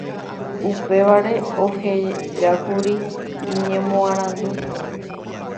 upévare ohejákuri iñemoarandu